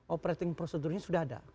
operating prosedurnya sudah ada